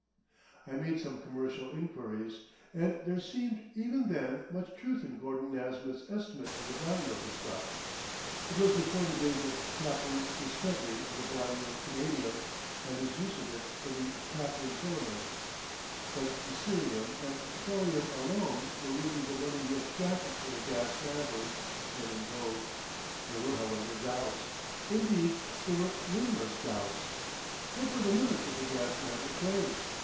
I made some commercial inquiries, and there seemed even then much truth in Gordon Nasmyth's estimate of the value of the stuff. It was before the days of Capern's discovery of the value of canadium and his use of it in the Capern filament, but the cerium and thorium alone were worth the money he extracted for the gas mantles then in vogue. There were, however, doubts. Indeed, there were numerous doubts. What were the limits of the gas mantle trade?